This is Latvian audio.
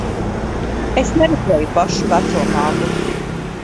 Es neredzēju pašu vecomammu.